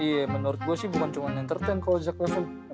iya menurut gua sih bukan cuman entertain kalo jack levine